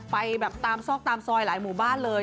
ไปแบบตามซอกตามซอยหลายหมู่บ้านเลย